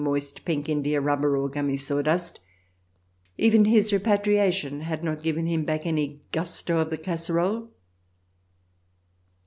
xxi moist, pink indiarubber, or gummy sawdust — even his repatriation had not given him back any gusto of the casserole.